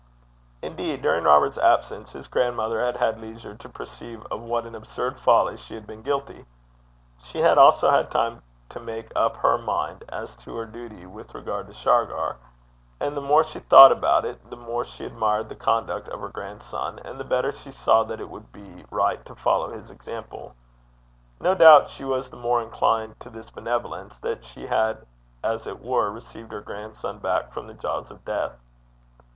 Indeed, during Robert's absence, his grandmother had had leisure to perceive of what an absurd folly she had been guilty. She had also had time to make up her mind as to her duty with regard to Shargar; and the more she thought about it, the more she admired the conduct of her grandson, and the better she saw that it would be right to follow his example. No doubt she was the more inclined to this benevolence that she had as it were received her grandson back from the jaws of death.